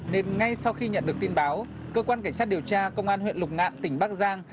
nên ngay sau khi nhận được tin báo cơ quan cảnh sát điều tra công an huyện lục ngạn tỉnh bắc giang